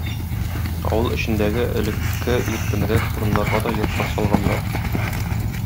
Авыл эчендәге элекке иркенрәк урыннарга да йортлар салганнар.